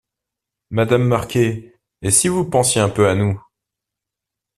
Madame Marquet, et si vous pensiez un peu à nous ?